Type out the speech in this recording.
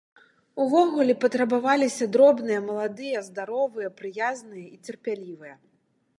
Увогуле, патрабаваліся дробныя, маладыя, здаровыя, прыязныя і цярплівыя.